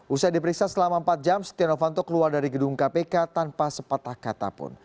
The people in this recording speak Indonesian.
usai diperiksa selama empat jam setia novanto keluar dari gedung kpk tanpa sepatah kata pun